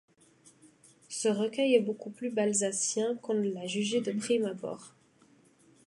Ce recueil est beaucoup plus balzacien qu'on ne l'a jugé de prime abord.